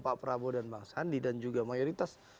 pak prabowo dan bang sandi dan juga mayoritas